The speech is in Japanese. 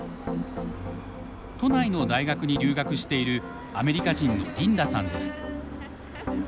都内の大学に留学しているアメリカ人のリンダさんです。